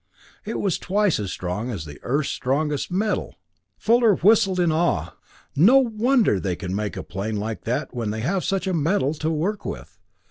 It was twice as strong as the Earth's strongest metal! Fuller whistled in awe. "No wonder they can make a plane like that when they have such a metal to work with."